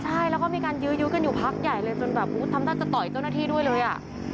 ใช่แล้วก็มีการยื้อยุกันอยู่พักใหญ่เลยจนแบบทำท่าจะต่อยเจ้าหน้าที่ด้วยเลยอ่ะ